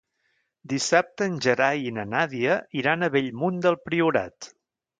Dissabte en Gerai i na Nàdia iran a Bellmunt del Priorat.